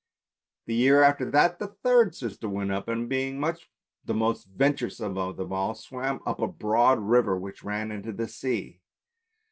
The year after that the third sister went up, and being much the most venturesome of them all, swam up a broad river which ran into the sea.